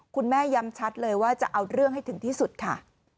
แม่ย้ำชัดเลยว่าจะเอาเรื่องให้ถึงที่สุดค่ะ